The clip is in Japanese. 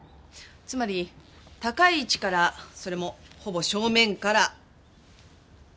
つまり高い位置からそれもほぼ正面から撃たれたようね。